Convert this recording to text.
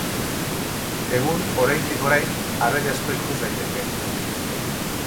Egun, oraindik orain, abere asko ikus daiteke.